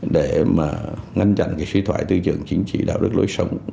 để ngăn chặn suy thoại tư dưỡng chính trị đạo đức lối sống